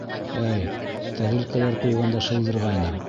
Әй, тәрилкәләр ҡуйғанда шылдырғайным.